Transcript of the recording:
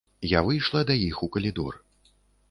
Я выйшла да іх у калідор.